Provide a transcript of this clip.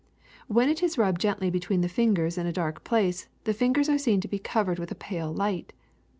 When it is rubbed gently between the fingers in a dark place, the fingers are seen to be covered with a pale light.